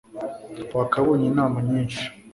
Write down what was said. wakabonye inama nyinshi